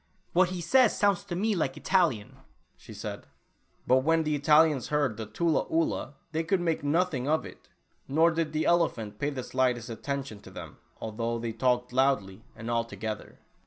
"What he says sounds to me like Italian," she said. But when the Italians heard the " Tula Oolah" they could make nothing of it, nor did the elephant pay the slightest attention to them, although they talked loudly and all together.